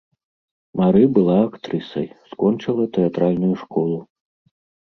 Мары была актрысай, скончыла тэатральную школу.